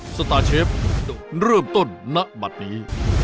สตาร์เชฟเริ่มต้นณบัตรนี้